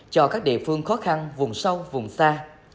cho các địa phương khó khăn vùng sâu vùng xa